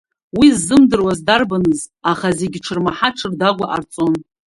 Уи ззымдыруаз дарбаныз, аха зегьы ҽырмаҳа, ҽырдагәа ҟарҵон.